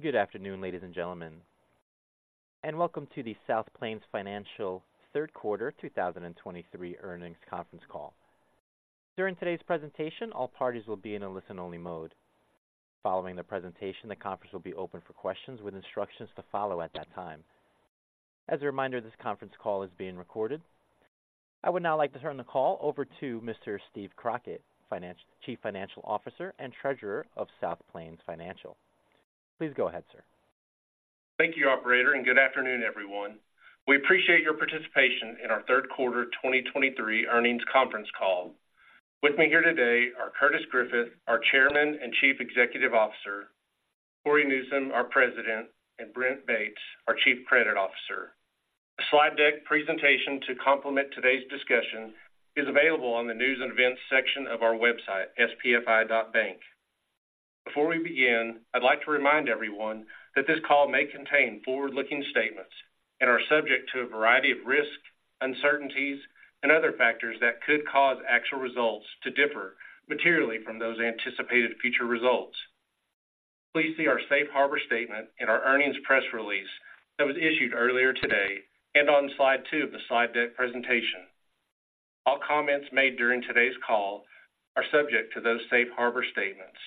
Good afternoon, ladies and gentlemen, and welcome to the South Plains Financial third quarter 2023 earnings conference call. During today's presentation, all parties will be in a listen-only mode. Following the presentation, the conference will be open for questions with instructions to follow at that time. As a reminder, this conference call is being recorded. I would now like to turn the call over to Mr. Steve Crockett, Finance-- Chief Financial Officer and Treasurer of South Plains Financial. Please go ahead, sir. Thank you, operator, and good afternoon, everyone. We appreciate your participation in our third quarter 2023 earnings conference call. With me here today are Curtis Griffith, our Chairman and Chief Executive Officer, Cory Newsom, our President, and Brent Bates, our Chief Credit Officer. A slide deck presentation to complement today's discussion is available on the News and Events section of our website, spfi.bank. Before we begin, I'd like to remind everyone that this call may contain forward-looking statements and are subject to a variety of risks, uncertainties, and other factors that could cause actual results to differ materially from those anticipated future results. Please see our safe harbor statement in our earnings press release that was issued earlier today and on slide 2 of the slide deck presentation. All comments made during today's call are subject to those safe harbor statements.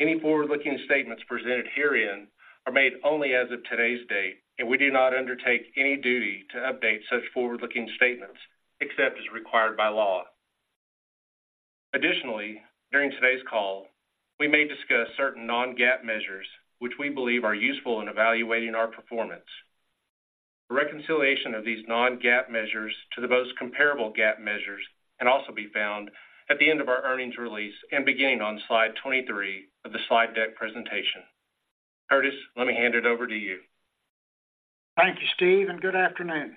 Any forward-looking statements presented herein are made only as of today's date, and we do not undertake any duty to update such forward-looking statements, except as required by law. Additionally, during today's call, we may discuss certain non-GAAP measures which we believe are useful in evaluating our performance. A reconciliation of these non-GAAP measures to the most comparable GAAP measures can also be found at the end of our earnings release and beginning on slide 23 of the slide deck presentation. Curtis, let me hand it over to you. Thank you, Steve, and good afternoon.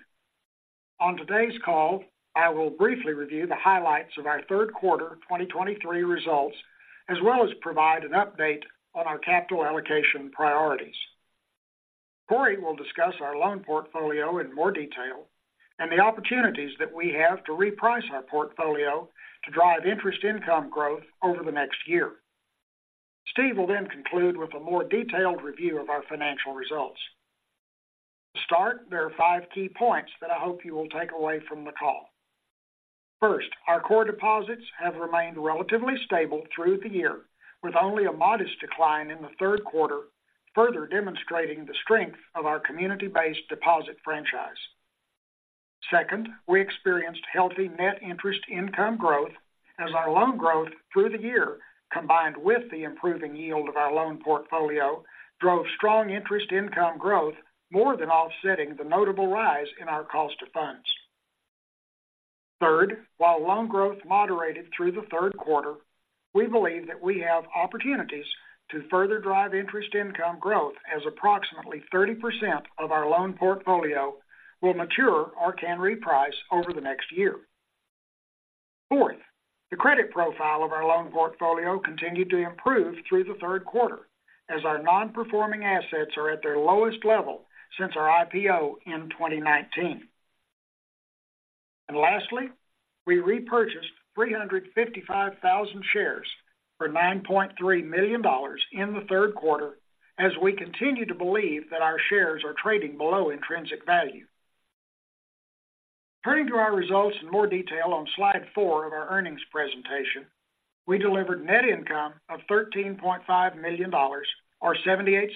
On today's call, I will briefly review the highlights of our third quarter 2023 results, as well as provide an update on our capital allocation priorities. Cory will discuss our loan portfolio in more detail and the opportunities that we have to reprice our portfolio to drive interest income growth over the next year. Steve will then conclude with a more detailed review of our financial results. To start, there are 5 key points that I hope you will take away from the call. First, our core deposits have remained relatively stable through the year, with only a modest decline in the third quarter, further demonstrating the strength of our community-based deposit franchise. Second, we experienced healthy net interest income growth as our loan growth through the year, combined with the improving yield of our loan portfolio, drove strong interest income growth, more than offsetting the notable rise in our cost of funds. Third, while loan growth moderated through the third quarter, we believe that we have opportunities to further drive interest income growth, as approximately 30% of our loan portfolio will mature or can reprice over the next year. Fourth, the credit profile of our loan portfolio continued to improve through the third quarter, as our non-performing assets are at their lowest level since our IPO in 2019. And lastly, we repurchased 355,000 shares for $9.3 million in the third quarter as we continue to believe that our shares are trading below intrinsic value. Turning to our results in more detail on slide 4 of our earnings presentation, we delivered net income of $13.5 million, or $0.78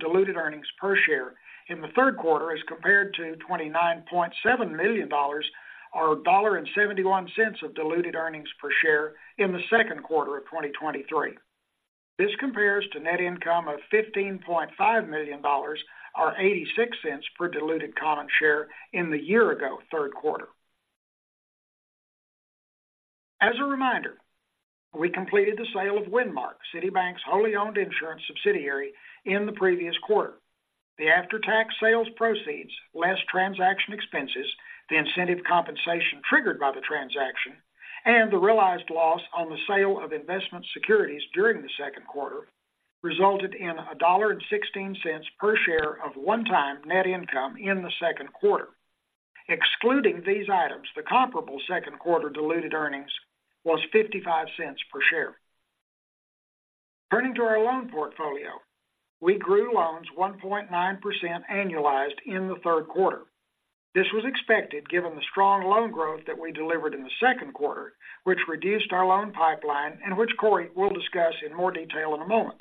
diluted earnings per share in the third quarter, as compared to $29.7 million, or $1.71 diluted earnings per share in the second quarter of 2023. This compares to net income of $15.5 million, or $0.86 per diluted common share in the year-ago third quarter. As a reminder, we completed the sale of Windmark, City Bank's wholly-owned insurance subsidiary, in the previous quarter. The after-tax sales proceeds, less transaction expenses, the incentive compensation triggered by the transaction, and the realized loss on the sale of investment securities during the second quarter, resulted in $1.16 per share of one-time net income in the second quarter. Excluding these items, the comparable second quarter diluted earnings was $0.55 per share. Turning to our loan portfolio, we grew loans 1.9% annualized in the third quarter. This was expected, given the strong loan growth that we delivered in the second quarter, which reduced our loan pipeline and which Cory will discuss in more detail in a moment.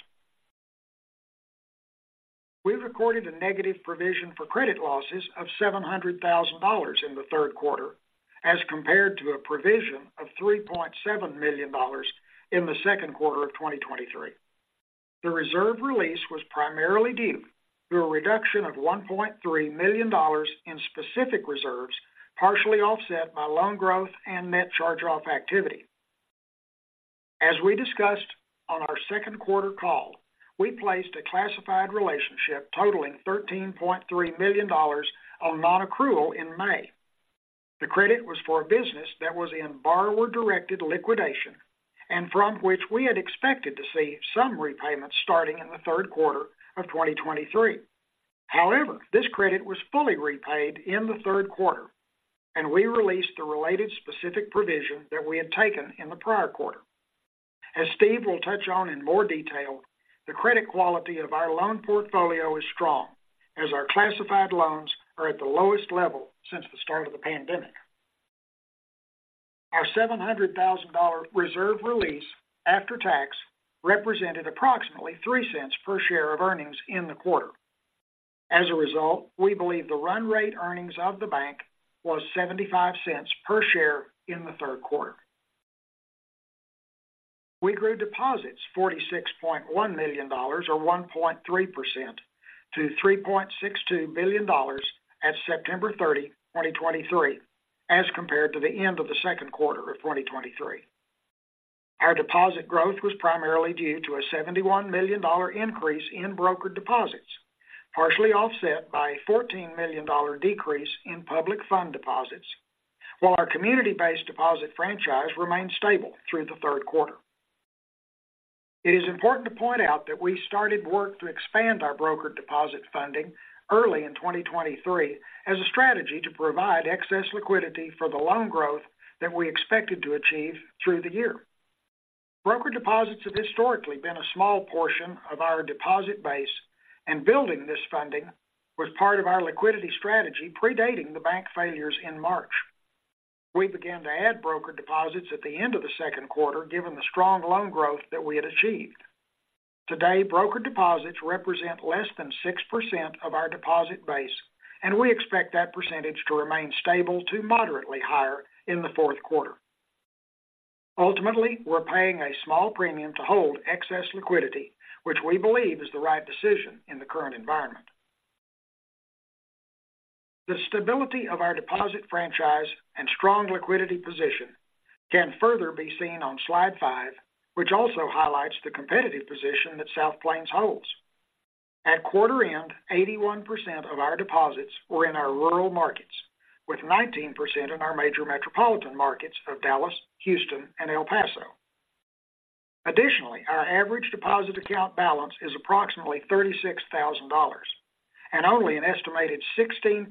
We recorded a negative provision for credit losses of $700,000 in the third quarter, as compared to a provision of $3.7 million in the second quarter of 2023. The reserve release was primarily due to a reduction of $1.3 million in specific reserves, partially offset by loan growth and net charge-off activity. As we discussed on our second quarter call, we placed a classified relationship totaling $13.3 million on non-accrual in May. The credit was for a business that was in borrower-directed liquidation and from which we had expected to see some repayments starting in the third quarter of 2023. However, this credit was fully repaid in the third quarter, and we released the related specific provision that we had taken in the prior quarter. As Steve will touch on in more detail, the credit quality of our loan portfolio is strong, as our classified loans are at the lowest level since the start of the pandemic. Our $700,000 reserve release, after tax, represented approximately $0.03 per share of earnings in the quarter. As a result, we believe the run rate earnings of the bank was $0.75 per share in the third quarter. We grew deposits $46.1 million, or 1.3%, to $3.62 billion at September 30, 2023, as compared to the end of the second quarter of 2023. Our deposit growth was primarily due to a $71 million increase in brokered deposits, partially offset by a $14 million decrease in public fund deposits, while our community-based deposit franchise remained stable through the third quarter. It is important to point out that we started work to expand our brokered deposit funding early in 2023 as a strategy to provide excess liquidity for the loan growth that we expected to achieve through the year. Brokered deposits have historically been a small portion of our deposit base, and building this funding was part of our liquidity strategy predating the bank failures in March. We began to add brokered deposits at the end of the second quarter, given the strong loan growth that we had achieved. Today, brokered deposits represent less than 6% of our deposit base, and we expect that percentage to remain stable to moderately higher in the fourth quarter. Ultimately, we're paying a small premium to hold excess liquidity, which we believe is the right decision in the current environment. The stability of our deposit franchise and strong liquidity position can further be seen on slide 5, which also highlights the competitive position that South Plains holds. At quarter end, 81% of our deposits were in our rural markets, with 19% in our major metropolitan markets of Dallas, Houston, and El Paso. Additionally, our average deposit account balance is approximately $36,000, and only an estimated 16%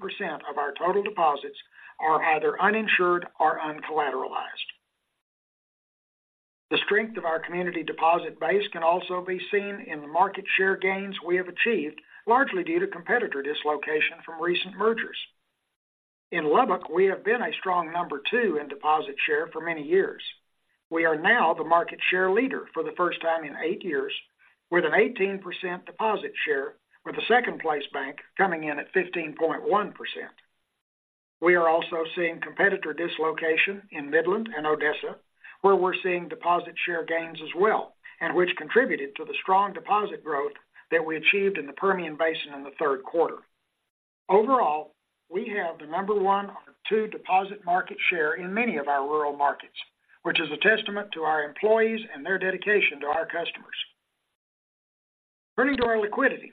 of our total deposits are either uninsured or uncollateralized. The strength of our community deposit base can also be seen in the market share gains we have achieved, largely due to competitor dislocation from recent mergers. In Lubbock, we have been a strong number two in deposit share for many years. We are now the market share leader for the first time in 8 years, with an 18% deposit share, with the second-place bank coming in at 15.1%. We are also seeing competitor dislocation in Midland and Odessa, where we're seeing deposit share gains as well, and which contributed to the strong deposit growth that we achieved in the Permian Basin in the third quarter. Overall, we have the number one or two deposit market share in many of our rural markets, which is a testament to our employees and their dedication to our customers. Turning to our liquidity,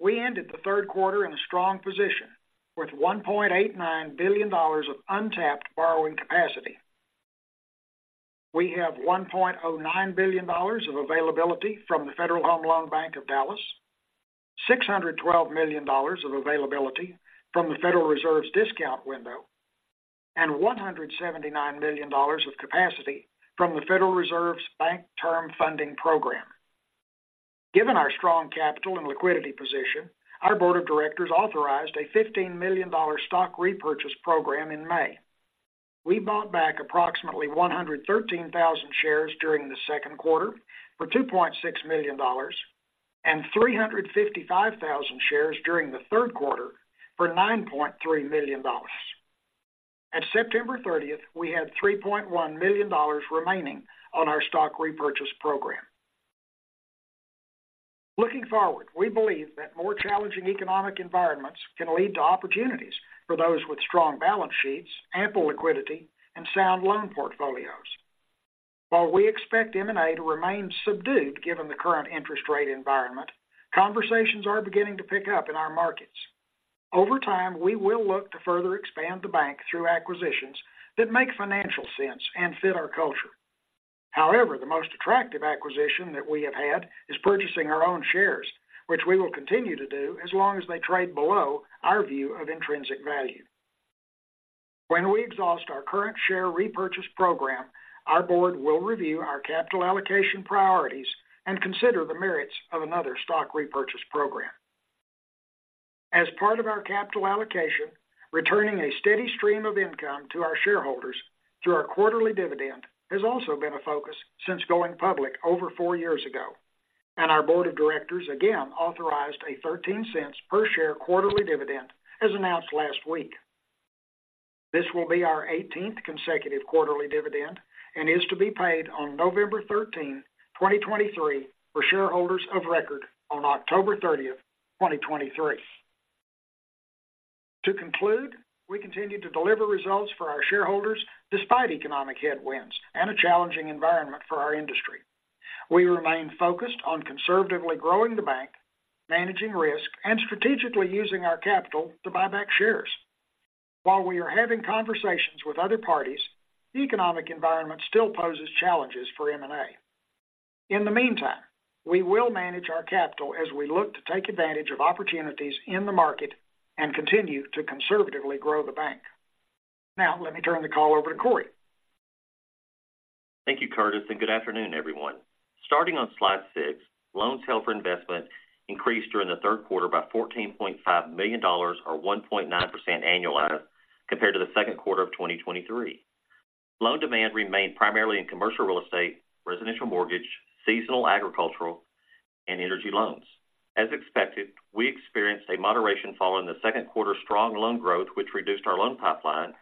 we ended the third quarter in a strong position, with $1.89 billion of untapped borrowing capacity. We have $1.09 billion of availability from the Federal Home Loan Bank of Dallas, $612 million of availability from the Federal Reserve's discount window, and $179 million of capacity from the Federal Reserve's Bank Term Funding Program. Given our strong capital and liquidity position, our board of directors authorized a $15 million stock repurchase program in May. We bought back approximately 113,000 shares during the second quarter for $2.6 million and 355,000 shares during the third quarter for $9.3 million. At September thirtieth, we had $3.1 million remaining on our stock repurchase program. Looking forward, we believe that more challenging economic environments can lead to opportunities for those with strong balance sheets, ample liquidity, and sound loan portfolios. While we expect M&A to remain subdued, given the current interest rate environment, conversations are beginning to pick up in our markets. Over time, we will look to further expand the bank through acquisitions that make financial sense and fit our culture. However, the most attractive acquisition that we have had is purchasing our own shares, which we will continue to do as long as they trade below our view of intrinsic value. When we exhaust our current share repurchase program, our board will review our capital allocation priorities and consider the merits of another stock repurchase program. As part of our capital allocation, returning a steady stream of income to our shareholders through our quarterly dividend has also been a focus since going public over 4 years ago, and our board of directors again authorized a $0.13 per share quarterly dividend, as announced last week. This will be our 18th consecutive quarterly dividend and is to be paid on November 13, 2023, for shareholders of record on October 30, 2023. To conclude, we continue to deliver results for our shareholders despite economic headwinds and a challenging environment for our industry. We remain focused on conservatively growing the bank, managing risk, and strategically using our capital to buy back shares. While we are having conversations with other parties, the economic environment still poses challenges for M&A. In the meantime, we will manage our capital as we look to take advantage of opportunities in the market and continue to conservatively grow the bank. Now, let me turn the call over to Cory. Thank you, Curtis, and good afternoon, everyone. Starting on slide 6, loans held for investment increased during the third quarter by $14.5 million or 1.9% annualized, compared to the second quarter of 2023. Loan demand remained primarily in commercial real estate, residential mortgage, seasonal agricultural, and energy loans. As expected, we experienced a moderation following the second quarter strong loan growth, which reduced our loan pipeline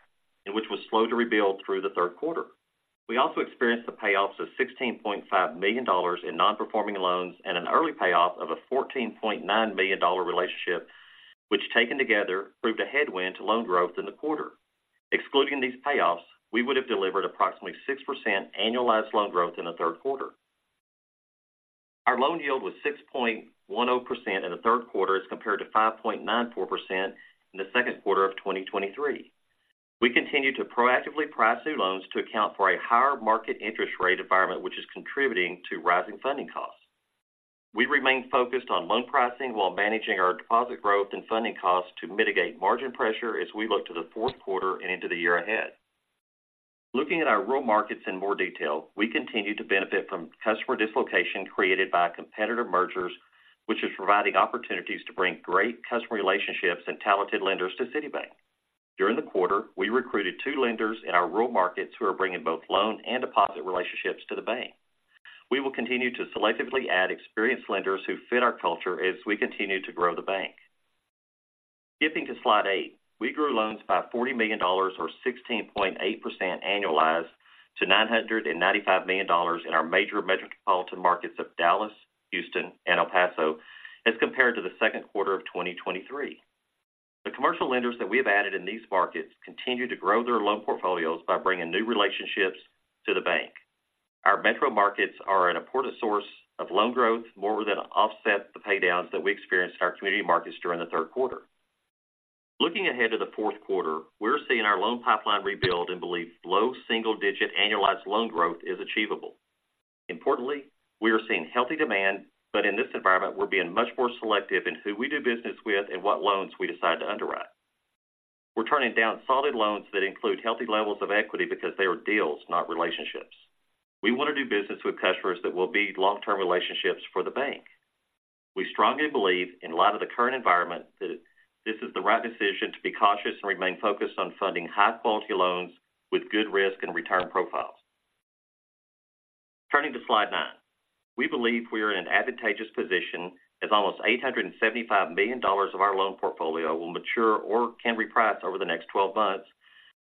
and which was slow to rebuild through the third quarter. We also experienced the payoffs of $16.5 million in nonperforming loans and an early payoff of a $14.9 million relationship, which, taken together, proved a headwind to loan growth in the quarter. Excluding these payoffs, we would have delivered approximately 6% annualized loan growth in the third quarter. Our loan yield was 6.10% in the third quarter as compared to 5.94% in the second quarter of 2023. We continue to proactively price new loans to account for a higher market interest rate environment, which is contributing to rising funding costs. We remain focused on loan pricing while managing our deposit growth and funding costs to mitigate margin pressure as we look to the fourth quarter and into the year ahead. Looking at our rural markets in more detail, we continue to benefit from customer dislocation created by competitive mergers, which is providing opportunities to bring great customer relationships and talented lenders to City Bank. During the quarter, we recruited 2 lenders in our rural markets who are bringing both loan and deposit relationships to the bank. We will continue to selectively add experienced lenders who fit our culture as we continue to grow the bank. Skipping to Slide 8, we grew loans by $40 million or 16.8% annualized to $995 million in our major metropolitan markets of Dallas, Houston, and El Paso as compared to the second quarter of 2023. The commercial lenders that we have added in these markets continue to grow their loan portfolios by bringing new relationships to the bank. Our metro markets are an important source of loan growth, more than offset the paydowns that we experienced in our community markets during the third quarter. Looking ahead to the fourth quarter, we're seeing our loan pipeline rebuild and believe low single-digit annualized loan growth is achievable. Importantly, we are seeing healthy demand, but in this environment, we're being much more selective in who we do business with and what loans we decide to underwrite. We're turning down solid loans that include healthy levels of equity because they are deals, not relationships. We want to do business with customers that will be long-term relationships for the bank. We strongly believe, in light of the current environment, that this is the right decision to be cautious and remain focused on funding high-quality loans with good risk and return profiles. Turning to Slide 9, we believe we are in an advantageous position as almost $875 million of our loan portfolio will mature or can reprice over the next 12 months,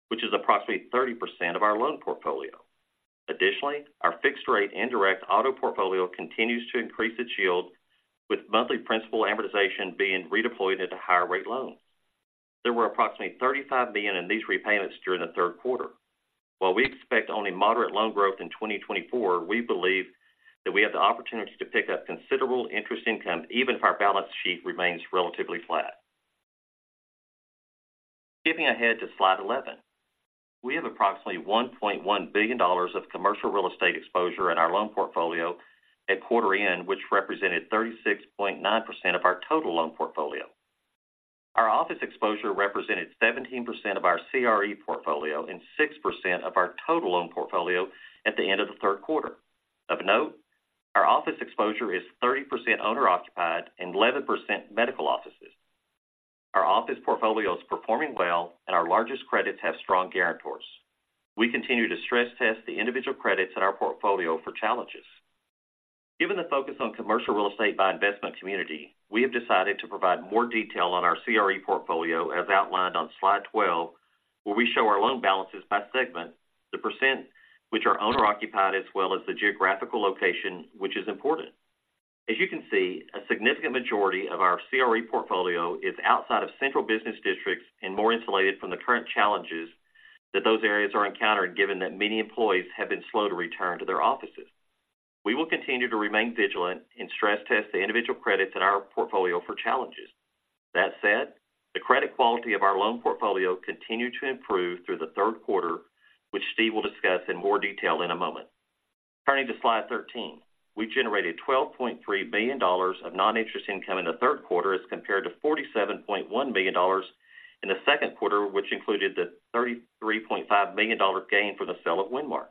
which is approximately 30% of our loan portfolio. Additionally, our fixed rate and direct auto portfolio continues to increase its yield, with monthly principal amortization being redeployed into higher rate loans. There were approximately $35 billion in these repayments during the third quarter. While we expect only moderate loan growth in 2024, we believe that we have the opportunity to pick up considerable interest income, even if our balance sheet remains relatively flat. Skipping ahead to Slide 11, we have approximately $1.1 billion of commercial real estate exposure in our loan portfolio at quarter end, which represented 36.9% of our total loan portfolio. Our office exposure represented 17% of our CRE portfolio and 6% of our total loan portfolio at the end of the third quarter. Of note, our office exposure is 30% owner-occupied and 11% medical offices. Our office portfolio is performing well, and our largest credits have strong guarantors. We continue to stress test the individual credits in our portfolio for challenges. Given the focus on commercial real estate by investment community, we have decided to provide more detail on our CRE portfolio, as outlined on Slide 12, where we show our loan balances by segment, the % which are owner-occupied, as well as the geographical location, which is important. As you can see, a significant majority of our CRE portfolio is outside of central business districts and more insulated from the current challenges that those areas are encountering, given that many employees have been slow to return to their offices. We will continue to remain vigilant and stress test the individual credits in our portfolio for challenges. That said, the credit quality of our loan portfolio continued to improve through the third quarter, which Steve will discuss in more detail in a moment. Turning to Slide 13, we generated $12.3 billion of non-interest income in the third quarter as compared to $47.1 billion in the second quarter, which included the $33.5 million gain for the sale of Windmark.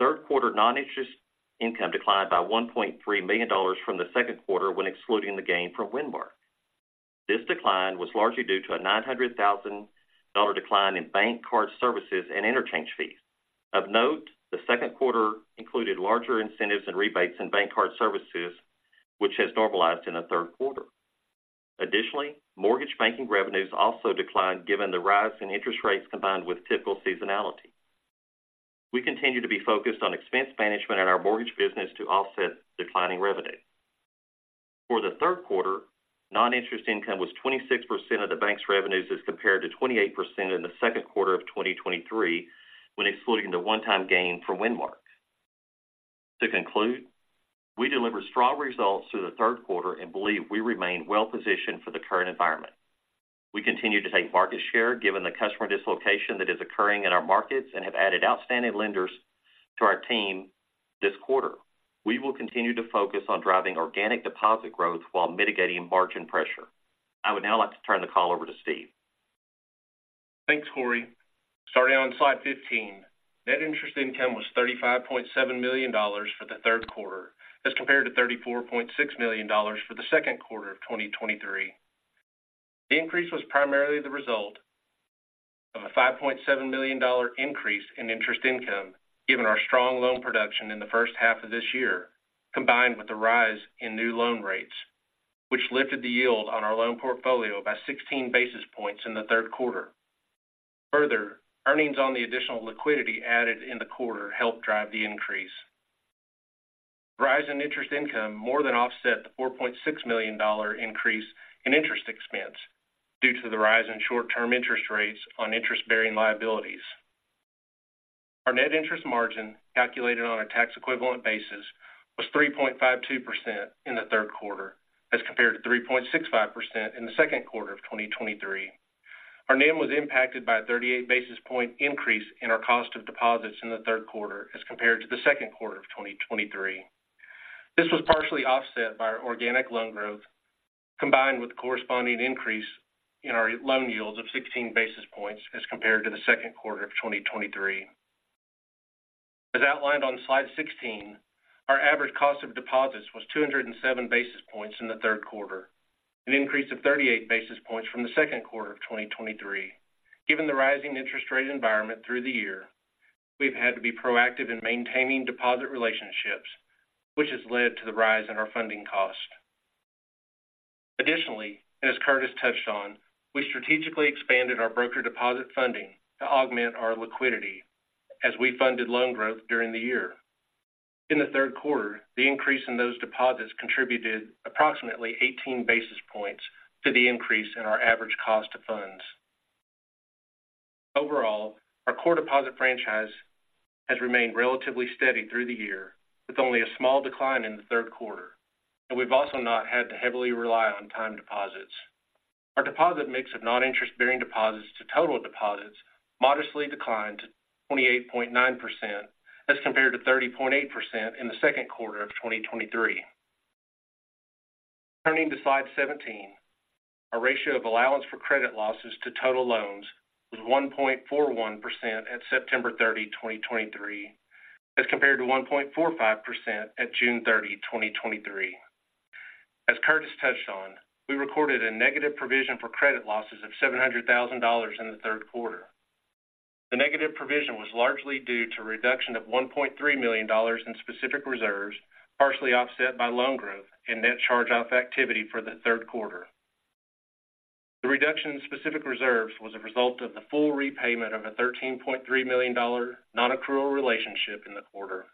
Third quarter non-interest income declined by $1.3 million from the second quarter when excluding the gain from Windmark. This decline was largely due to a $900,000 decline in bank card services and interchange fees. Of note, the second quarter included larger incentives and rebates in bank card services, which has normalized in the third quarter. Additionally, mortgage banking revenues also declined given the rise in interest rates combined with typical seasonality. We continue to be focused on expense management in our mortgage business to offset declining revenue. For the third quarter, non-interest income was 26% of the bank's revenues, as compared to 28% in the second quarter of 2023, when excluding the one-time gain for Windmark. To conclude... We delivered strong results through the third quarter and believe we remain well positioned for the current environment. We continue to take market share, given the customer dislocation that is occurring in our markets, and have added outstanding lenders to our team this quarter. We will continue to focus on driving organic deposit growth while mitigating margin pressure. I would now like to turn the call over to Steve. Thanks, Cory. Starting on slide 15, net interest income was $35.7 million for the third quarter, as compared to $34.6 million for the second quarter of 2023. The increase was primarily the result of a $5.7 million increase in interest income, given our strong loan production in the first half of this year, combined with the rise in new loan rates, which lifted the yield on our loan portfolio by 16 basis points in the third quarter. Further, earnings on the additional liquidity added in the quarter helped drive the increase. Rise in interest income more than offset the $4.6 million increase in interest expense due to the rise in short-term interest rates on interest-bearing liabilities. Our net interest margin, calculated on a tax equivalent basis, was 3.52% in the third quarter, as compared to 3.65% in the second quarter of 2023. Our NIM was impacted by a 38 basis point increase in our cost of deposits in the third quarter as compared to the second quarter of 2023. This was partially offset by our organic loan growth, combined with the corresponding increase in our loan yields of 16 basis points as compared to the second quarter of 2023. As outlined on slide 16, our average cost of deposits was 207 basis points in the third quarter, an increase of 38 basis points from the second quarter of 2023. Given the rising interest rate environment through the year, we've had to be proactive in maintaining deposit relationships, which has led to the rise in our funding cost. Additionally, as Curtis touched on, we strategically expanded our broker deposit funding to augment our liquidity as we funded loan growth during the year. In the third quarter, the increase in those deposits contributed approximately 18 basis points to the increase in our average cost of funds. Overall, our core deposit franchise has remained relatively steady through the year, with only a small decline in the third quarter, and we've also not had to heavily rely on time deposits. Our deposit mix of non-interest bearing deposits to total deposits modestly declined to 28.9%, as compared to 30.8% in the second quarter of 2023. Turning to slide 17, our ratio of allowance for credit losses to total loans was 1.41% at September 30, 2023, as compared to 1.45% at June 30, 2023. As Curtis touched on, we recorded a negative provision for credit losses of $700,000 in the third quarter. The negative provision was largely due to a reduction of $1.3 million in specific reserves, partially offset by loan growth and net charge-off activity for the third quarter. The reduction in specific reserves was a result of the full repayment of a $13.3 million non-accrual relationship in the quarter.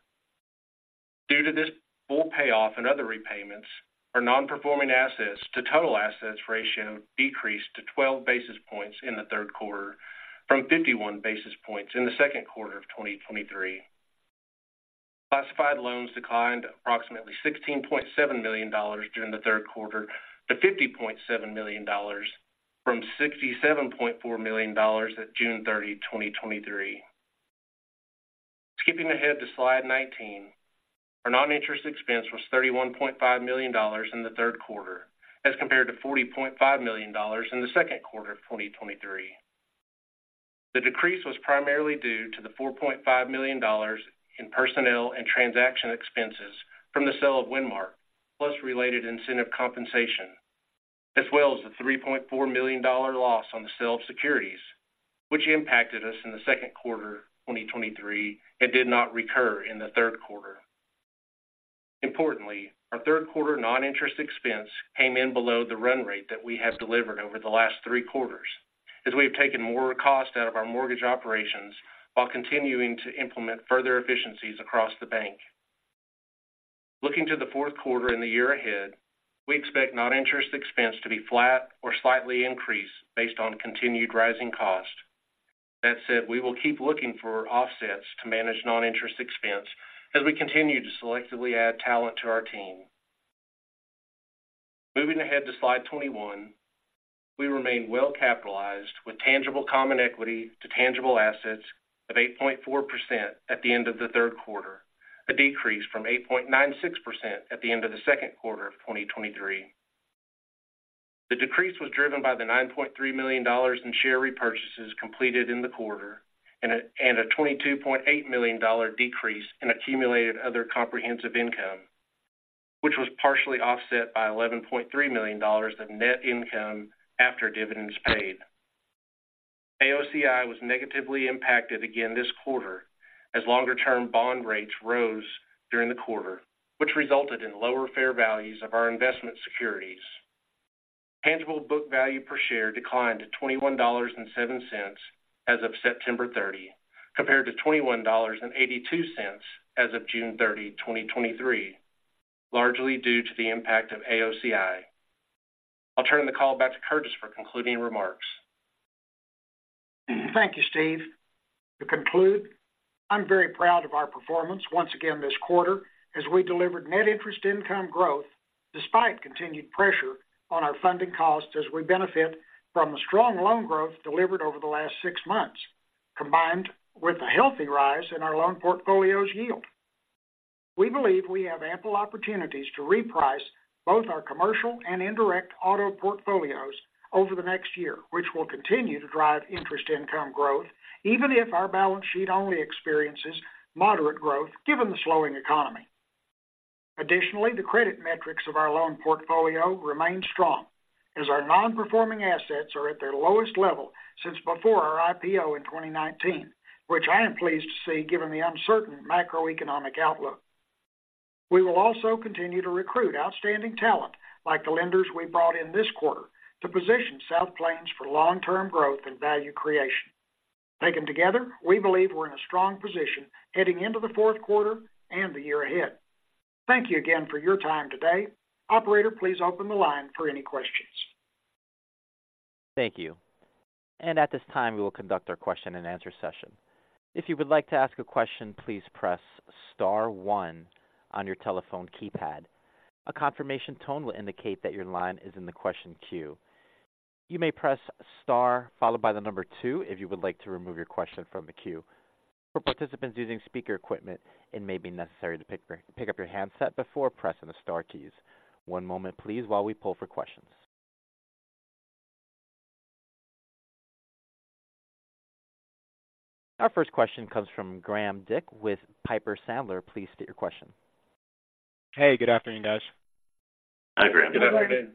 Due to this full payoff and other repayments, our non-performing assets to total assets ratio decreased to 12 basis points in the third quarter from 51 basis points in the second quarter of 2023. Classified loans declined to approximately $16.7 million during the third quarter to $50.7 million from $67.4 million at June 30, 2023. Skipping ahead to slide 19. Our non-interest expense was $31.5 million in the third quarter, as compared to $40.5 million in the second quarter of 2023. The decrease was primarily due to the $4.5 million in personnel and transaction expenses from the sale of Windmark, plus related incentive compensation, as well as the $3.4 million loss on the sale of securities, which impacted us in the second quarter of 2023 and did not recur in the third quarter. Importantly, our third quarter non-interest expense came in below the run rate that we have delivered over the last three quarters, as we have taken more cost out of our mortgage operations while continuing to implement further efficiencies across the bank. Looking to the fourth quarter and the year ahead, we expect non-interest expense to be flat or slightly increased based on continued rising costs. That said, we will keep looking for offsets to manage non-interest expense as we continue to selectively add talent to our team. Moving ahead to slide 21, we remain well capitalized with tangible common equity to tangible assets of 8.4% at the end of the third quarter, a decrease from 8.96% at the end of the second quarter of 2023. The decrease was driven by the $9.3 million in share repurchases completed in the quarter and a $22.8 million dollar decrease in accumulated other comprehensive income, which was partially offset by $11.3 million of net income after dividends paid. AOCI was negatively impacted again this quarter as longer-term bond rates rose during the quarter, which resulted in lower fair values of our investment securities. Tangible book value per share declined to $21.07 as of September 30, compared to $21.82 as of June 30, 2023, largely due to the impact of AOCI. I'll turn the call back to Curtis for concluding remarks.... Thank you, Steve. To conclude, I'm very proud of our performance once again this quarter, as we delivered net interest income growth, despite continued pressure on our funding costs, as we benefit from the strong loan growth delivered over the last six months, combined with a healthy rise in our loan portfolio's yield. We believe we have ample opportunities to reprice both our commercial and indirect auto portfolios over the next year, which will continue to drive interest income growth, even if our balance sheet only experiences moderate growth, given the slowing economy. Additionally, the credit metrics of our loan portfolio remain strong, as our non-performing assets are at their lowest level since before our IPO in 2019, which I am pleased to see, given the uncertain macroeconomic outlook. We will also continue to recruit outstanding talent, like the lenders we brought in this quarter, to position South Plains for long-term growth and value creation. Taken together, we believe we're in a strong position heading into the fourth quarter and the year ahead. Thank you again for your time today. Operator, please open the line for any questions. Thank you. At this time, we will conduct our question and answer session. If you would like to ask a question, please press star one on your telephone keypad. A confirmation tone will indicate that your line is in the question queue. You may press star followed by the number two, if you would like to remove your question from the queue. For participants using speaker equipment, it may be necessary to pick up your handset before pressing the star keys. One moment, please, while we poll for questions. Our first question comes from Graham Dick with Piper Sandler. Please state your question. Hey, good afternoon, guys. Hi, Graham. Good afternoon.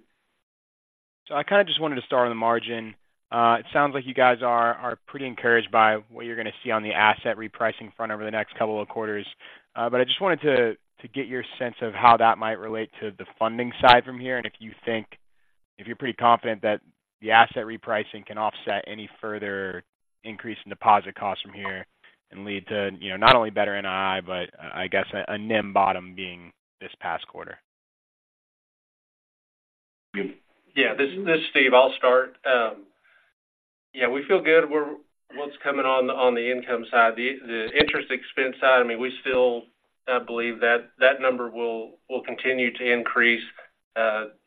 So I kind of just wanted to start on the margin. It sounds like you guys are, are pretty encouraged by what you're going to see on the asset repricing front over the next couple of quarters. But I just wanted to, to get your sense of how that might relate to the funding side from here, and if you think if you're pretty confident that the asset repricing can offset any further increase in deposit costs from here and lead to, you know, not only better NII, but I guess, a NIM bottom being this past quarter. Yeah, this is Steve. I'll start. Yeah, we feel good. We're—what's coming on, on the income side, the interest expense side, I mean, we still believe that number will continue to increase.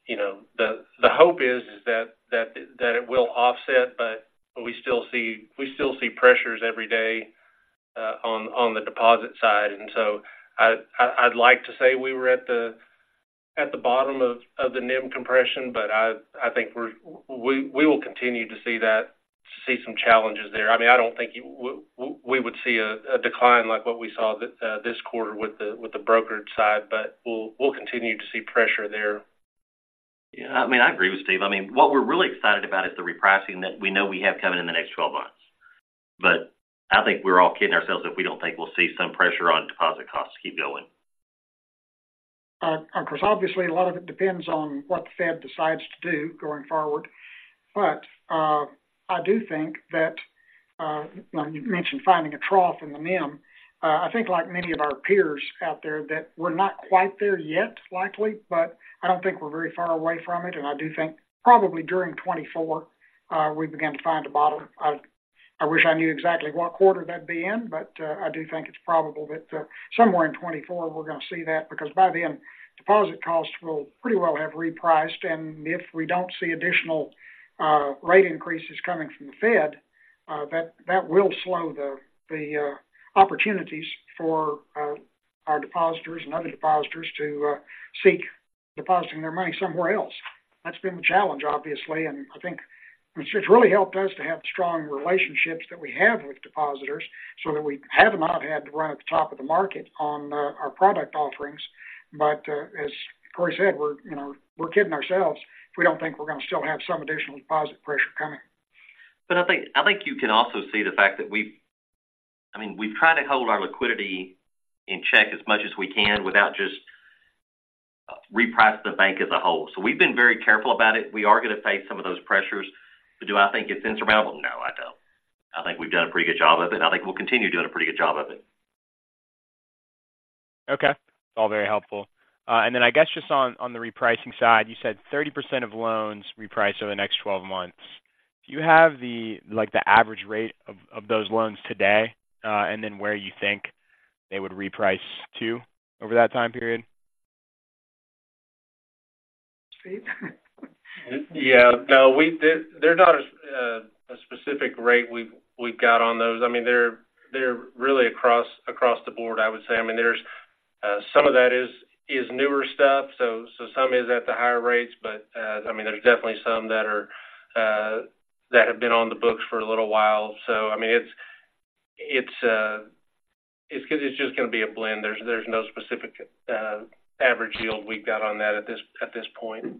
You know, the hope is that it will offset, but we still see pressures every day on the deposit side. And so I'd like to say we were at the bottom of the NIM compression, but I think we're—we will continue to see that, some challenges there. I mean, I don't think we would see a decline like what we saw this quarter with the brokered side, but we'll continue to see pressure there. Yeah, I mean, I agree with Steve. I mean, what we're really excited about is the repricing that we know we have coming in the next 12 months. But I think we're all kidding ourselves if we don't think we'll see some pressure on deposit costs keep going. Of course, obviously, a lot of it depends on what the Fed decides to do going forward. But, I do think that, you mentioned finding a trough in the NIM. I think like many of our peers out there, that we're not quite there yet, likely, but I don't think we're very far away from it. And I do think probably during 2024, we begin to find a bottom. I wish I knew exactly what quarter that'd be in, but, I do think it's probable that, somewhere in 2024 we're going to see that, because by then, deposit costs will pretty well have repriced. And if we don't see additional, rate increases coming from the Fed, that will slow the opportunities for, our depositors and other depositors to, seek depositing their money somewhere else. That's been the challenge, obviously, and I think it's just really helped us to have the strong relationships that we have with depositors, so that we have not had to run at the top of the market on our product offerings. But as Cory said, we're, you know, we're kidding ourselves if we don't think we're going to still have some additional deposit pressure coming. But I think, I think you can also see the fact that we've, I mean, we've tried to hold our liquidity in check as much as we can without just reprice the bank as a whole. So we've been very careful about it. We are going to face some of those pressures. But do I think it's insurmountable? No, I don't. I think we've done a pretty good job of it. I think we'll continue doing a pretty good job of it. Okay, it's all very helpful. And then I guess just on, on the repricing side, you said 30% of loans reprice over the next 12 months. Do you have the, like, the average rate of, of those loans today, and then where you think they would reprice to over that time period? Steve? Yeah. No, there's not a specific rate we've got on those. I mean, they're really across the board, I would say. I mean, there's some of that is newer stuff, so some is at the higher rates, but I mean, there's definitely some that have been on the books for a little while. So, I mean, it's because it's just going to be a blend. There's no specific average yield we've got on that at this point.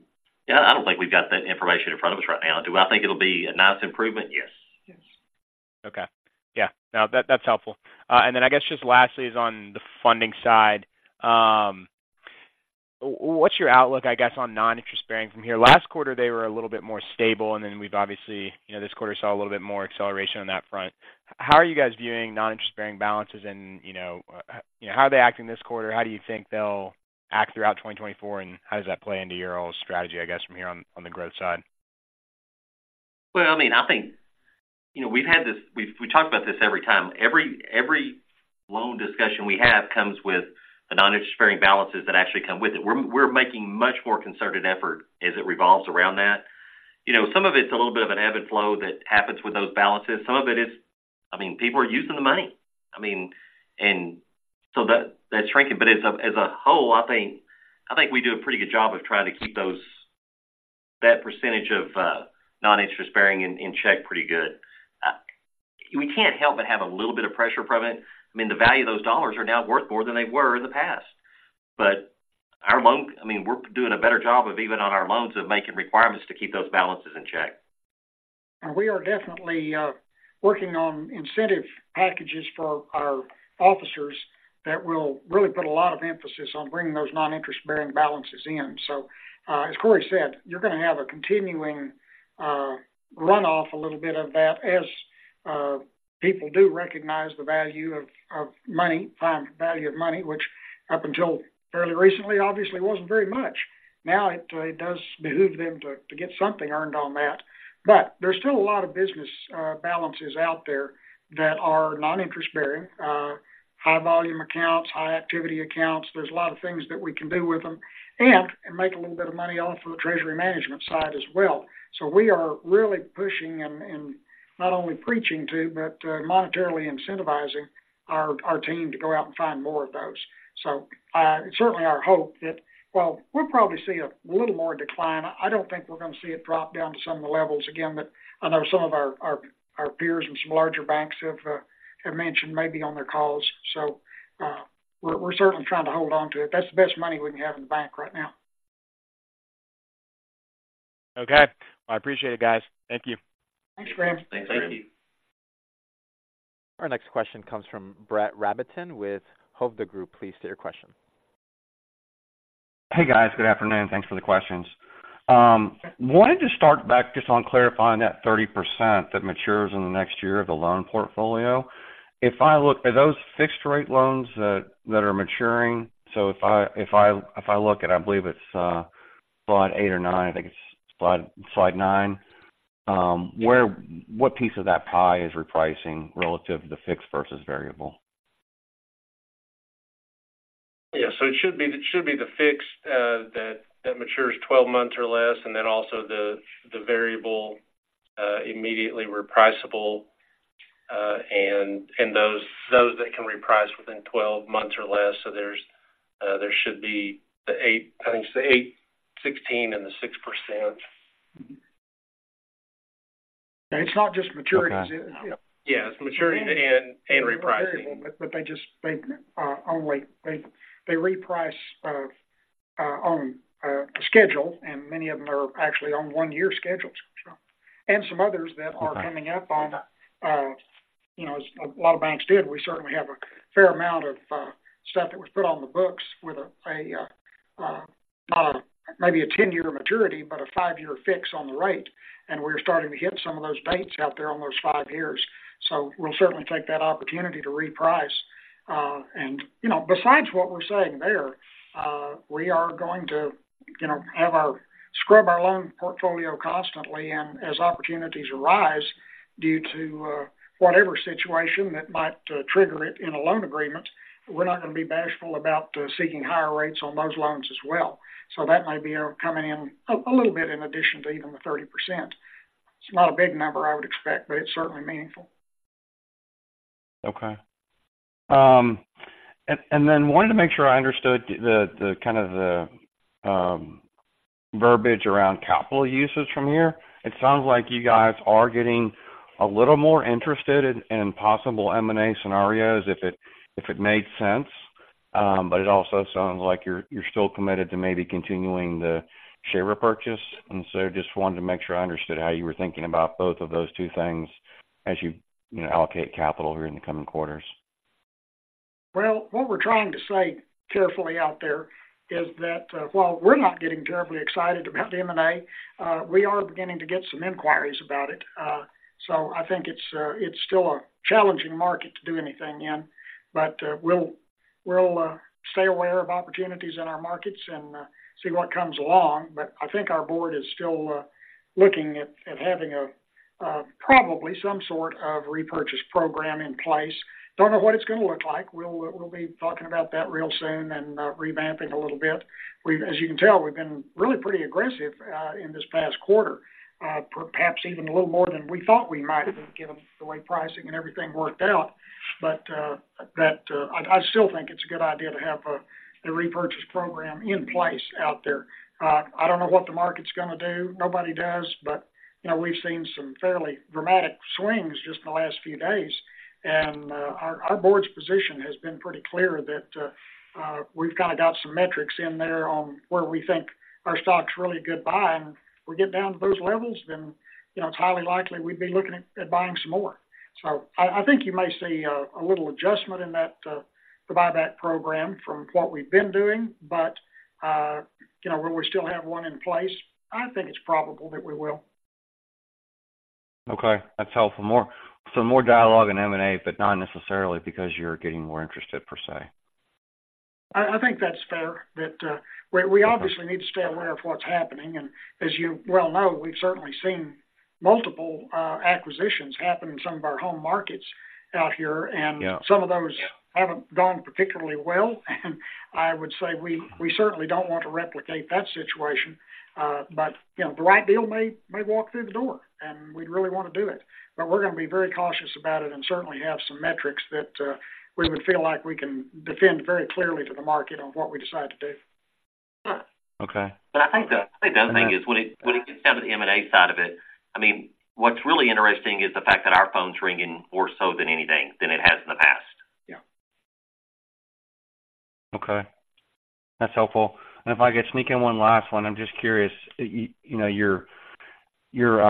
Yeah, I don't think we've got that information in front of us right now. Do I think it'll be a nice improvement? Yes. Yes. Okay. Yeah, no, that, that's helpful. And then I guess just lastly is on the funding side. What's your outlook, I guess, on non-interest bearing from here? Last quarter, they were a little bit more stable, and then we've obviously, you know, this quarter saw a little bit more acceleration on that front.... How are you guys viewing non-interest bearing balances? And, you know, how are they acting this quarter? How do you think they'll act throughout 2024, and how does that play into your all's strategy, I guess, from here on, on the growth side? Well, I mean, I think, you know, we've had this. We've talked about this every time. Every loan discussion we have comes with the non-interest bearing balances that actually come with it. We're making much more concerted effort as it revolves around that. You know, some of it's a little bit of an ebb and flow that happens with those balances. Some of it is, I mean, people are using the money. I mean, and so that, that's shrinking. But as a whole, I think we do a pretty good job of trying to keep those, that percentage of non-interest bearing in check pretty good. We can't help but have a little bit of pressure from it. I mean, the value of those dollars are now worth more than they were in the past. But I mean, we're doing a better job of even on our loans, of making requirements to keep those balances in check. We are definitely working on incentive packages for our officers that will really put a lot of emphasis on bringing those non-interest-bearing balances in. So, as Cory said, you're going to have a continuing runoff, a little bit of that, as people do recognize the value of money, time value of money, which up until fairly recently, obviously wasn't very much. Now, it does behoove them to get something earned on that. But there's still a lot of business balances out there that are non-interest-bearing high volume accounts, high activity accounts. There's a lot of things that we can do with them and make a little bit of money off of the treasury management side as well. So we are really pushing and not only preaching to, but monetarily incentivizing our team to go out and find more of those. So, certainly our hope that, well, we'll probably see a little more decline. I don't think we're going to see it drop down to some of the levels again, but I know some of our peers and some larger banks have mentioned maybe on their calls. So, we're certainly trying to hold on to it. That's the best money we can have in the bank right now. Okay. I appreciate it, guys. Thank you. Thanks, Graham. Thanks, Graham. Our next question comes from Brett Rabatin with Hovde Group. Please state your question. Hey, guys. Good afternoon. Thanks for the questions. Wanted to start back just on clarifying that 30% that matures in the next year of the loan portfolio. If I look, are those fixed rate loans that are maturing? So if I look at, I believe it's slide 8 or 9, I think it's slide 9, where what piece of that pie is repricing relative to the fixed versus variable? Yeah, so it should be the fixed that matures 12 months or less, and then also the variable immediately repriceable, and those that can reprice within 12 months or less. So there should be the 8, I think it's the 8, 16, and the 6%. It's not just maturities. Okay. Yeah, it's maturity and repricing. But they just, they only—they reprice on a schedule, and many of them are actually on 1-year schedules. And some others that are coming up on, you know, as a lot of banks did, we certainly have a fair amount of stuff that was put on the books with a not maybe a 10-year maturity, but a 5-year fix on the rate. And we're starting to hit some of those dates out there on those 5 years. So we'll certainly take that opportunity to reprice. And, you know, besides what we're saying there, we are going to, you know, have our scrub our loan portfolio constantly, and as opportunities arise due to whatever situation that might trigger it in a loan agreement, we're not going to be bashful about seeking higher rates on those loans as well. So that may be coming in a little bit in addition to even the 30%. It's not a big number I would expect, but it's certainly meaningful. Okay. And then wanted to make sure I understood the kind of verbiage around capital usage from here. It sounds like you guys are getting a little more interested in possible M&A scenarios if it made sense, but it also sounds like you're still committed to maybe continuing the share repurchase. And so just wanted to make sure I understood how you were thinking about both of those two things as you, you know, allocate capital here in the coming quarters. Well, what we're trying to say carefully out there is that, while we're not getting terribly excited about the M&A, we are beginning to get some inquiries about it. So I think it's still a challenging market to do anything in, but we'll stay aware of opportunities in our markets and see what comes along. But I think our board is still looking at having a probably some sort of repurchase program in place. Don't know what it's going to look like. We'll be talking about that real soon and revamping a little bit. We've, as you can tell, we've been really pretty aggressive in this past quarter, perhaps even a little more than we thought we might, given the way pricing and everything worked out. I still think it's a good idea to have a repurchase program in place out there. I don't know what the market's going to do. Nobody does. But you know, we've seen some fairly dramatic swings just in the last few days, and our board's position has been pretty clear that we've kind of got some metrics in there on where we think our stock's a really good buy, and if we get down to those levels, then you know, it's highly likely we'd be looking at buying some more. So I think you may see a little adjustment in that the buyback program from what we've been doing, but you know, where we still have one in place, I think it's probable that we will. Okay, that's helpful. More, so more dialogue in M&A, but not necessarily because you're getting more interested, per se. I think that's fair, that we obviously need to stay aware of what's happening. And as you well know, we've certainly seen multiple acquisitions happen in some of our home markets out here- Yeah. and some of those haven't gone particularly well, and I would say we, we certainly don't want to replicate that situation. But, you know, the right deal may, may walk through the door, and we'd really want to do it, but we're going to be very cautious about it and certainly have some metrics that, we would feel like we can defend very clearly to the market on what we decide to do. Okay. But I think the other thing is, when it gets down to the M&A side of it, I mean, what's really interesting is the fact that our phone's ringing more so than anything, than it has in the past. Yeah. Okay. That's helpful. And if I could sneak in one last one, I'm just curious, you know, your, your,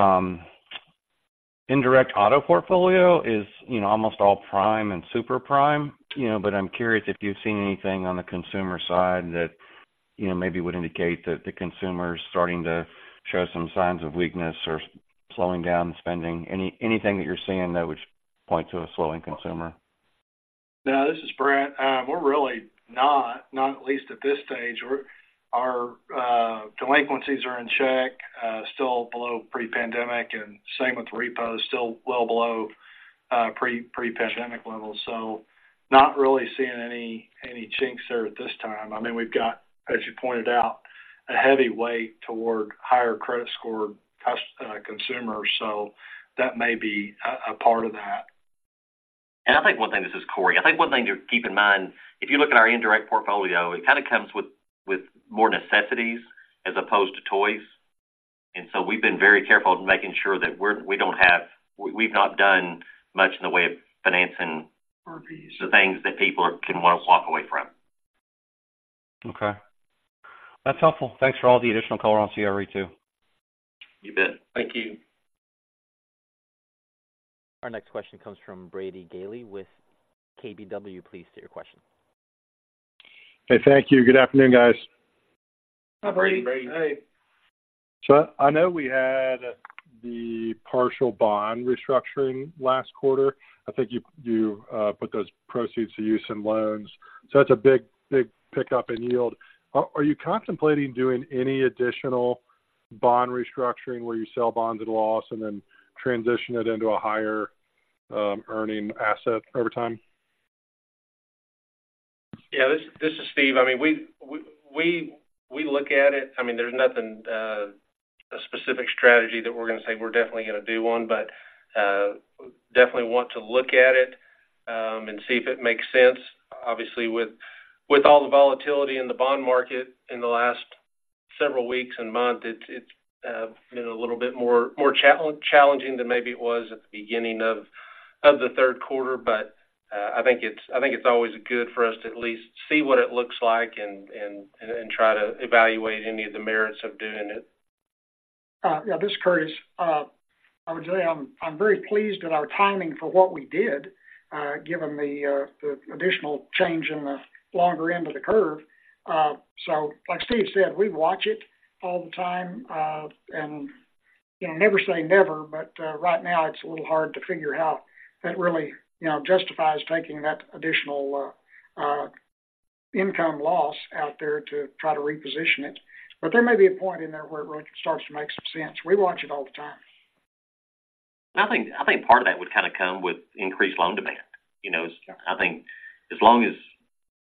indirect auto portfolio is, you know, almost all prime and super prime, you know, but I'm curious if you've seen anything on the consumer side that, you know, maybe would indicate that the consumer is starting to show some signs of weakness or slowing down spending. Anything that you're seeing that would point to a slowing consumer? No, this is Brent. We're really not, not at least at this stage. Our delinquencies are in check, still below pre-pandemic, and same with repos, still well below pre-pandemic levels. So not really seeing any chinks there at this time. I mean, we've got, as you pointed out, a heavy weight toward higher credit score customers, so that may be a part of that. I think one thing. This is Cory. I think one thing to keep in mind, if you look at our indirect portfolio, it kind of comes with more necessities as opposed to toys. And so we've been very careful in making sure that we're, we don't have, we've not done much in the way of financing- RVs. the things that people can want to walk away from. Okay. That's helpful. Thanks for all the additional color on CRE, too. You bet. Thank you. Our next question comes from Brady Gailey with KBW. Please state your question. Hey, thank you. Good afternoon, guys. Hi, Brady. Hey, Brady. So I know we had the partial bond restructuring last quarter. I think you put those proceeds to use in loans, so that's a big, big pickup in yield. Are you contemplating doing any additional bond restructuring where you sell bonds at a loss and then transition it into a higher earning asset over time? Yeah, this is Steve. I mean, we look at it. I mean, there's nothing a specific strategy that we're going to say we're definitely going to do one, but definitely want to look at it, and see if it makes sense. Obviously, with all the volatility in the bond market in the last several weeks and months, it's been a little bit more challenging than maybe it was at the beginning of the third quarter. But I think it's always good for us to at least see what it looks like and try to evaluate any of the merits of doing it. Yeah, this is Curtis. I would say I'm, I'm very pleased at our timing for what we did, given the, the additional change in the longer end of the curve. So like Steve said, we watch it all the time, and, you know, never say never, but, right now it's a little hard to figure how that really, you know, justifies taking that additional, income loss out there to try to reposition it. But there may be a point in there where it really starts to make some sense. We watch it all the time. I think, I think part of that would kind of come with increased loan demand. You know, I think as long as,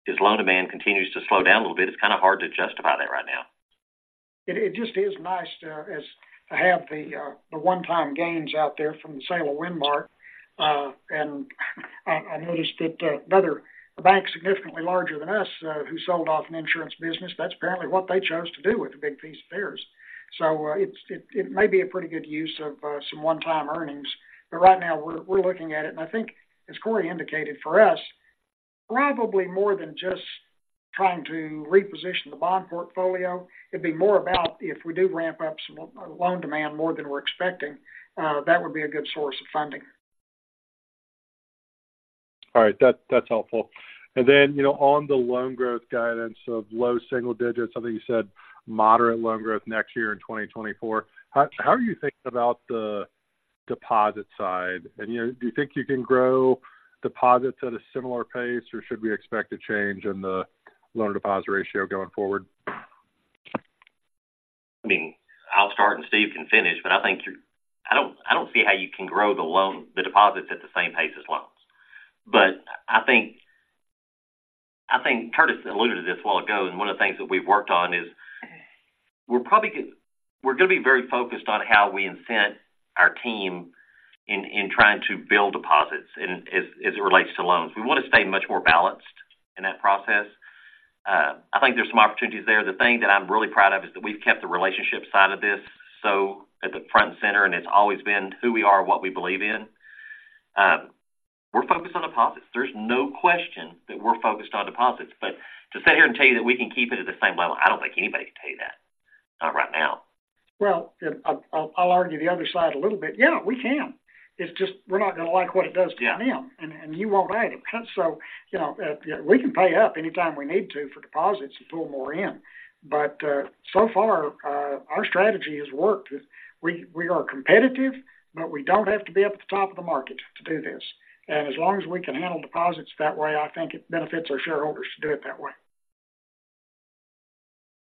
as loan demand continues to slow down a little bit, it's kind of hard to justify that right now. It just is nice to have the one-time gains out there from the sale of Windmark. And I noticed that another bank significantly larger than us who sold off an insurance business, that's apparently what they chose to do with a big piece of theirs. So, it may be a pretty good use of some one-time earnings, but right now we're looking at it. And I think, as Cory indicated, for us, probably more than just trying to reposition the bond portfolio, it'd be more about if we do ramp up some loan demand more than we're expecting, that would be a good source of funding. All right. That's helpful. And then, you know, on the loan growth guidance of low single digits, I think you said moderate loan growth next year in 2024. How are you thinking about the deposit side? And, you know, do you think you can grow deposits at a similar pace, or should we expect a change in the loan deposit ratio going forward? I mean, I'll start and Steve can finish, but I think you—I don't, I don't see how you can grow the loan, the deposits at the same pace as loans. But I think Curtis alluded to this a while ago, and one of the things that we've worked on is we're probably going to be very focused on how we incent our team in trying to build deposits and as it relates to loans. We want to stay much more balanced in that process. I think there's some opportunities there. The thing that I'm really proud of is that we've kept the relationship side of this, so at the front and center, and it's always been who we are, what we believe in. We're focused on deposits. There's no question that we're focused on deposits, but to sit here and tell you that we can keep it at the same level, I don't think anybody can tell you that.... Well, I'll argue the other side a little bit. Yeah, we can. It's just we're not going to like what it does to them, and you won't either. So, you know, we can pay up anytime we need to for deposits to pull more in. But so far, our strategy has worked. We are competitive, but we don't have to be at the top of the market to do this. And as long as we can handle deposits that way, I think it benefits our shareholders to do it that way.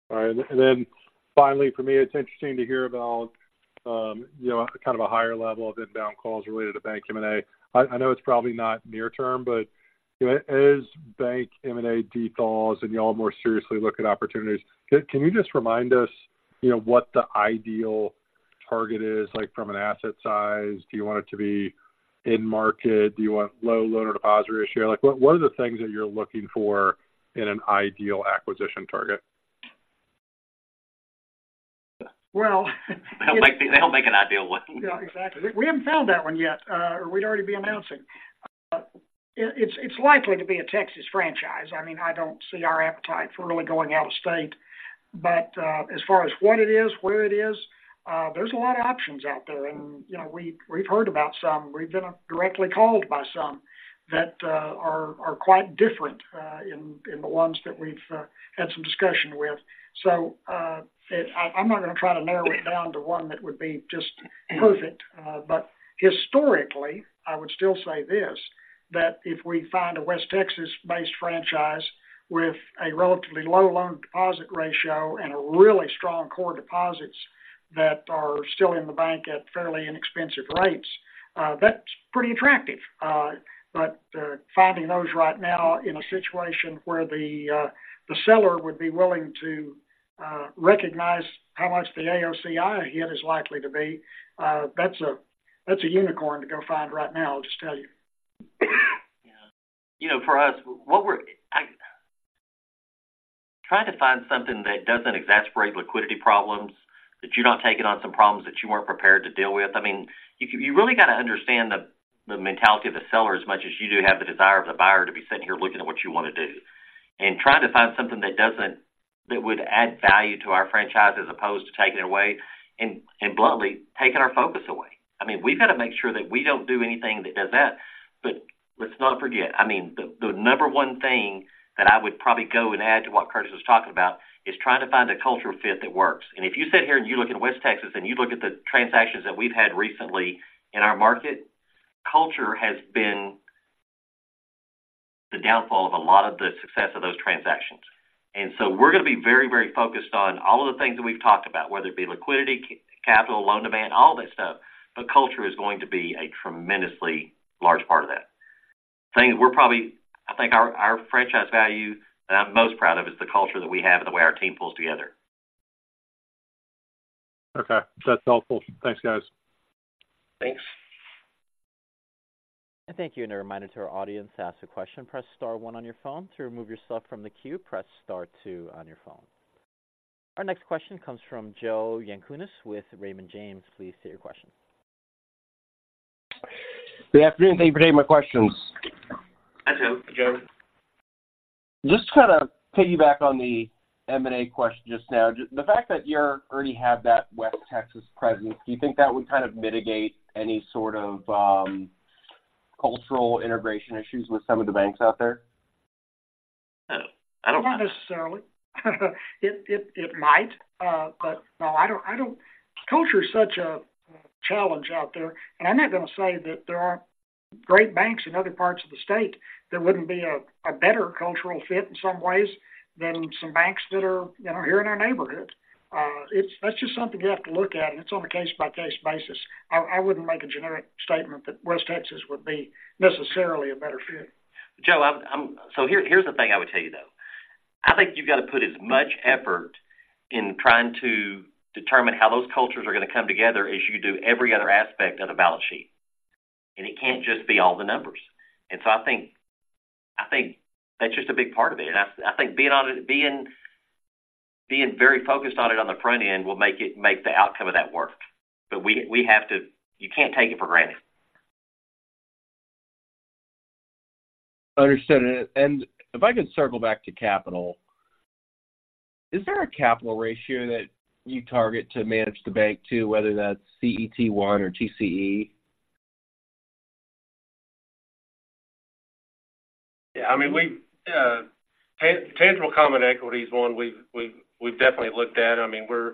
All right. And then finally, for me, it's interesting to hear about, you know, kind of a higher level of inbound calls related to bank M&A. I know it's probably not near term, but, you know, as bank M&A dethaws and you all more seriously look at opportunities, can you just remind us, you know, what the ideal target is like from an asset size? Do you want it to be in market? Do you want low loan-to-deposit ratio? Like, what are the things that you're looking for in an ideal acquisition target? Well, They'll make an ideal one. Yeah, exactly. We haven't found that one yet, or we'd already be announcing. It's likely to be a Texas franchise. I mean, I don't see our appetite for really going out of state, but as far as what it is, where it is, there's a lot of options out there. And, you know, we've heard about some, we've been directly called by some that are quite different in the ones that we've had some discussion with. So, I'm not going to try to narrow it down to one that would be just perfect. But historically, I would still say this, that if we find a West Texas-based franchise with a relatively low loan deposit ratio and a really strong core deposits that are still in the bank at fairly inexpensive rates, that's pretty attractive. But finding those right now in a situation where the seller would be willing to recognize how much the AOCI hit is likely to be, that's a unicorn to go find right now, I'll just tell you. Yeah. You know, for us, what we're trying to find something that doesn't exacerbate liquidity problems, that you're not taking on some problems that you weren't prepared to deal with. I mean, you really got to understand the mentality of the seller as much as you do have the desire of the buyer to be sitting here looking at what you want to do. And trying to find something that would add value to our franchise as opposed to taking it away and bluntly, taking our focus away. I mean, we've got to make sure that we don't do anything that does that. But let's not forget, I mean, the number one thing that I would probably go and add to what Curtis was talking about is trying to find a cultural fit that works. If you sit here and you look at West Texas, and you look at the transactions that we've had recently in our market, culture has been the downfall of a lot of the success of those transactions. So we're going to be very, very focused on all of the things that we've talked about, whether it be liquidity, capital, loan demand, all this stuff, but culture is going to be a tremendously large part of that. Thing is, we're probably, I think our, our franchise value that I'm most proud of is the culture that we have and the way our team pulls together. Okay, that's helpful. Thanks, guys. Thanks. And thank you. And a reminder to our audience, to ask a question, press star one on your phone. To remove yourself from the queue, press star two on your phone. Our next question comes from Joe Yanchunis with Raymond James. Please state your question. Good afternoon. Thank you for taking my questions. Hi, Joe. Just to kind of piggyback on the M&A question just now, just the fact that you already have that West Texas presence, do you think that would kind of mitigate any sort of, cultural integration issues with some of the banks out there? I don't know. Not necessarily. It might, but no, I don't—culture is such a challenge out there, and I'm not going to say that there aren't great banks in other parts of the state that wouldn't be a better cultural fit in some ways than some banks that are, you know, here in our neighborhood. It's—that's just something you have to look at, and it's on a case-by-case basis. I wouldn't make a generic statement that West Texas would be necessarily a better fit. Joe, I'm so here's the thing I would tell you, though. I think you've got to put as much effort in trying to determine how those cultures are going to come together as you do every other aspect of the balance sheet, and it can't just be all the numbers. And so I think that's just a big part of it. And I think being on it, being very focused on it on the front end will make the outcome of that work. But we have to. You can't take it for granted. Understood. And if I could circle back to capital, is there a capital ratio that you target to manage the bank to, whether that's CET1 or TCE? Yeah, I mean, we, tangible common equity is one we've, we've, we've definitely looked at. I mean, we're,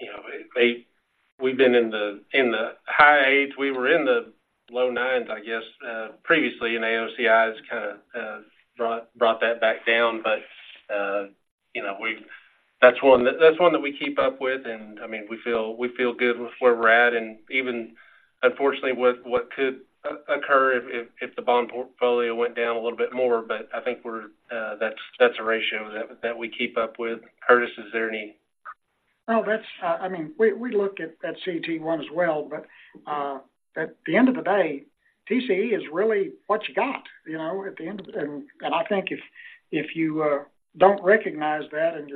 you know, they've-- we've been in the, in the high eights. We were in the low nines, I guess, previously, and AOCI has kind of, brought, brought that back down. But, you know, we've-- that's one, that's one that we keep up with, and, I mean, we feel, we feel good with where we're at and even unfortunately, what, what could occur if, if, if the bond portfolio went down a little bit more, but I think we're, that's, that's a ratio that, that we keep up with. Curtis, is there any? Well, that's, I mean, we look at that CET1 as well, but at the end of the day, TCE is really what you got, you know, at the end of the day. And I think if you don't recognize that and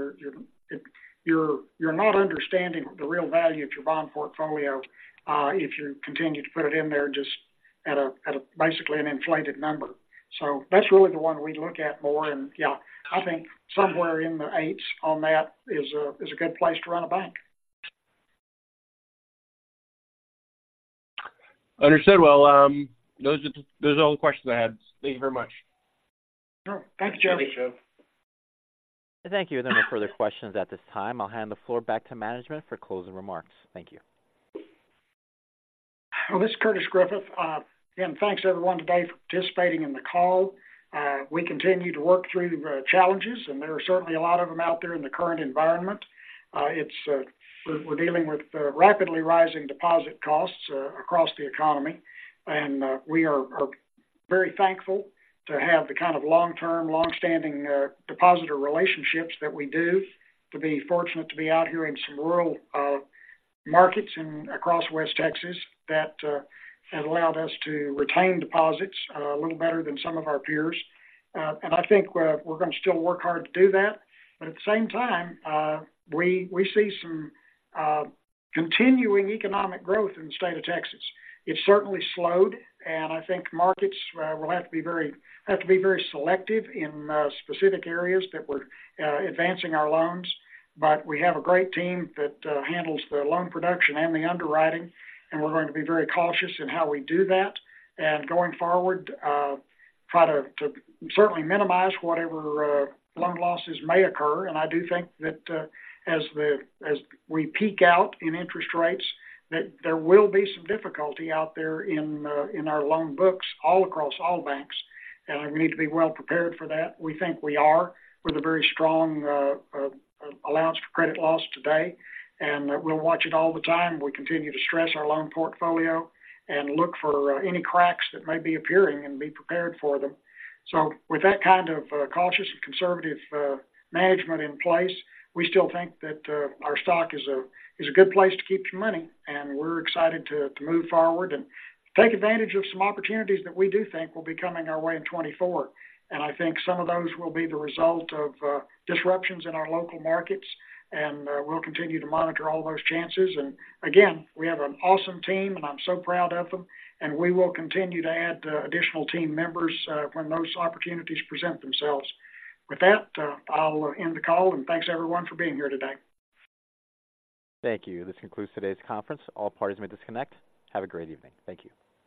you're not understanding the real value of your bond portfolio, if you continue to put it in there, just at a basically an inflated number. So that's really the one we look at more. And yeah, I think somewhere in the eights on that is a good place to run a bank. Understood. Well, those are, those are all the questions I had. Thank you very much. Sure. Thanks, Joey. Thank you, Joe. Thank you. There are no further questions at this time. I'll hand the floor back to management for closing remarks. Thank you. Well, this is Curtis Griffith. Again, thanks everyone today for participating in the call. We continue to work through the challenges, and there are certainly a lot of them out there in the current environment. We're dealing with rapidly rising deposit costs across the economy, and we are very thankful to have the kind of long-term, long-standing depositor relationships that we do, to be fortunate to be out here in some rural markets across West Texas that have allowed us to retain deposits a little better than some of our peers. And I think, we're going to still work hard to do that. But at the same time, we see some continuing economic growth in the state of Texas. It's certainly slowed, and I think markets will have to be very selective in specific areas that we're advancing our loans. But we have a great team that handles the loan production and the underwriting, and we're going to be very cautious in how we do that, and going forward, try to certainly minimize whatever loan losses may occur. And I do think that as we peak out in interest rates, that there will be some difficulty out there in our loan books, all across all banks, and we need to be well prepared for that. We think we are, with a very strong allowance for credit loss today, and we'll watch it all the time. We continue to stress our loan portfolio and look for any cracks that may be appearing and be prepared for them. So with that kind of cautious and conservative management in place, we still think that our stock is a good place to keep your money, and we're excited to move forward and take advantage of some opportunities that we do think will be coming our way in 2024. And I think some of those will be the result of disruptions in our local markets, and we'll continue to monitor all those chances. And again, we have an awesome team, and I'm so proud of them, and we will continue to add additional team members when those opportunities present themselves. With that, I'll end the call, and thanks everyone for being here today. Thank you. This concludes today's conference. All parties may disconnect. Have a great evening. Thank you.